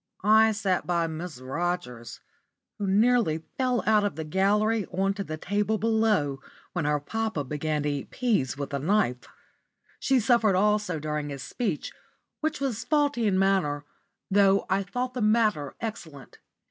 I sat by Miss Rogers, who nearly fell out of the gallery on to the table below when her papa began to eat peas with a knife. She suffered also during his speech, which was faulty in manner, though I thought the matter excellent.